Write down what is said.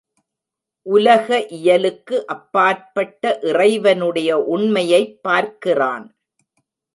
உலக இயலுக்கு அப்பாற்பட்ட இறைவனுடைய உண்மையைப் பார்க்கிறான்.